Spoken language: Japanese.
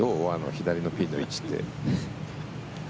左のピンの位置って。